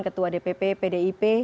ketua dpp pdip